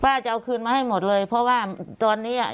จะเอาคืนมาให้หมดเลยเพราะว่าตอนนี้อ่ะ